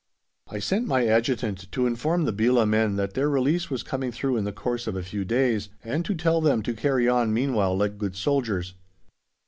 I sent my adjutant to inform the Belah men that their release was coming through in the course of a few days, and to tell them to carry on meanwhile like good soldiers.